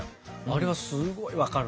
あれはすごい分かるな。